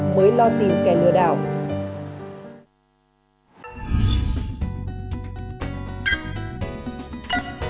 mới lo tìm kẻ lừa đảo